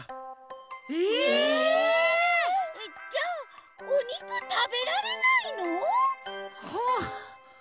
えっじゃあおにくたべられないの？はあうそでしょ。